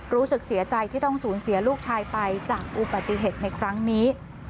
รู้สึกเสียใจที่ต้องสูญเสียลูกชายไปจากอุบัติเหตุในครั้งนี้